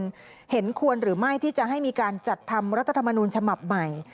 มันเห็นควรหรือไม่ที่จะให้มีการจัดทำรัฐธรรมนูญฉบับใหม่